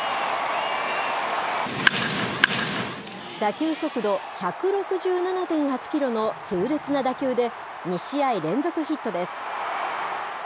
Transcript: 打球速度１６７．８キロの痛烈な打球で、２試合連続ヒットです。